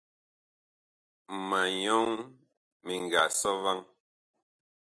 Ma nyɔŋ mi nga sɔ vaŋ.